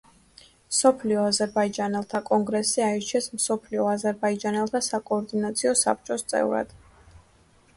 მსოფლიო აზერბაიჯანელთა კონგრესზე აირჩიეს მსოფლიო აზერბაიჯანელთა საკოორდინაციო საბჭოს წევრად.